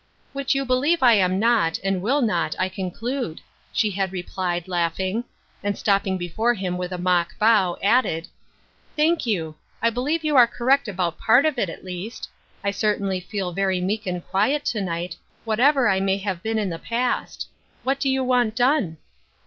" Which you believe I am not, and will not, 1 conclude," she had replied, laughing ; and stop ping before him with a mock bow, added :" Thank you ; I believe you are correct about part of it, at least. I certainly feel very meek and quiet to night, whatever I may have been iu the past. What do you want done